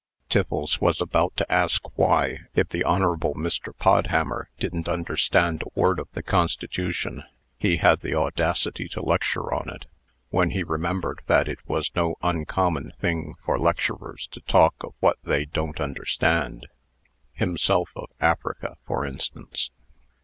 Tiffles was about to ask why, if the Hon. Mr. Podhammer didn't understand a word of the Constitution, he had the audacity to lecture on it; when he remembered that it was no uncommon thing for lecturers to talk of what they don't understand himself of Africa, for instance.